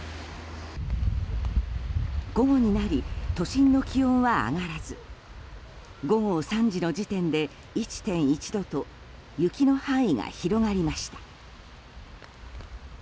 午後になり都心の気温は上がらず午後３時の時点で１．１度と雪の範囲が広がりました。